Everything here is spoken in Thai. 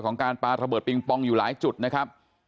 การปลาระเบิดปิงปองอยู่หลายจุดนะครับ